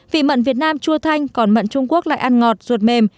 vị mận việt nam chua thanh còn mận trung quốc lại ăn ngọt ruột mềm